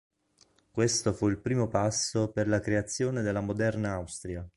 Questo fu il primo passo per la creazione della moderna Austria.